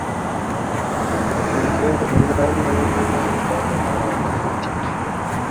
bihe umwanya wo kuganzwa n'amarangamutima.